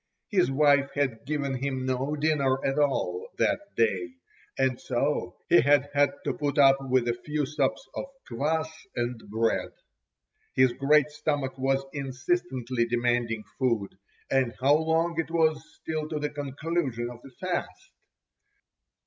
His wife had given him no dinner at all that day, and so he had had to put up with a few sups of kvass and bread. His great stomach was insistently demanding food; and how long it was still to the conclusion of the fast!